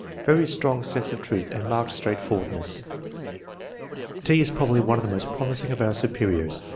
Very strong sense of truth and marked straight forwardness . T. is probably one of the most promising of our superiors.